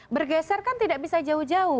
bergeser kan tidak bisa jauh jauh